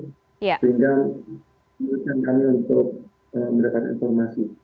sehingga menurut kami untuk mendapatkan informasi